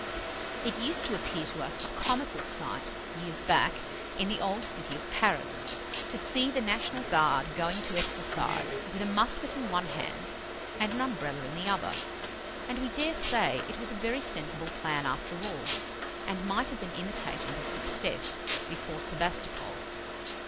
It used to appear to us a comical sight, years back, in the old city of Paris, to see the National Guard going to exercise with a musket in one hand and an Umbrella in the other, and we dare say it was a very sensible plan after all, and might have been imitated with success before Sebastopol.